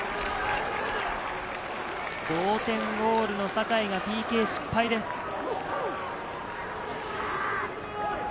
同点ゴールの坂井がＰＫ失敗です。